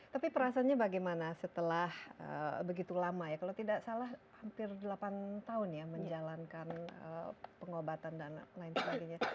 tapi perasaannya bagaimana setelah begitu lama ya kalau tidak salah hampir delapan tahun ya menjalankan pengobatan dan lain sebagainya